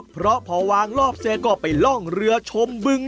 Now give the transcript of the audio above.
เพราะพอวางรอบเสร็จก็ไปล่องเรือชมบึง